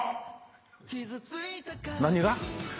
何が？